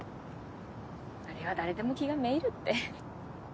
あれは誰でも気が滅入るって。